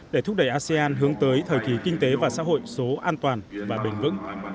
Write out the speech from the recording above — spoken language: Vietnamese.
để thúc đẩy asean hướng tới thời kỳ kinh tế và xã hội số an toàn và bền vững